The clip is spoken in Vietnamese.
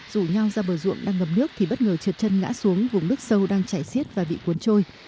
rủ nhau ra bờ ruộng đang ngập nước thì bất ngờ trượt chân ngã xuống vùng nước sâu đang chảy xiết và bị cuốn trôi